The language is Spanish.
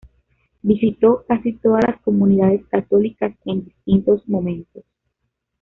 Visitó casi todas las comunidades católicas en distintos momentos.